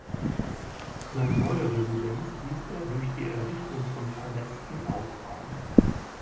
Seine neue Residenz ließ er durch die Errichtung von Palästen ausbauen.